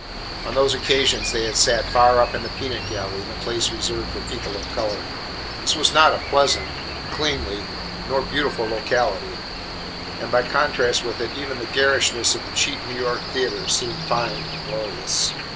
On those occasions they had sat far up in the peanut gallery in the place reserved for people of colour. This was not a pleasant, cleanly, nor beautiful locality, and by contrast with it, even the garishness of the cheap New York theatre seemed fine and glorious.